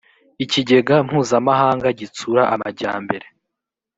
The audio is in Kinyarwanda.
ikigega mupuzamahanga gitsura amajyambere